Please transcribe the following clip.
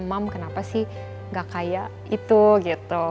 mam kenapa sih nggak kaya itu gitu